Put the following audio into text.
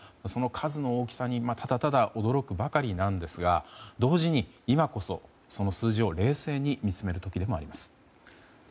その数の大きさにただただ驚くばかりなんですが同時に今こそ、その数字を冷静に見つめる時でもあります。